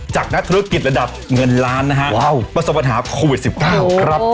นักธุรกิจระดับเงินล้านนะฮะว้าวประสบปัญหาโควิด๑๙ครับ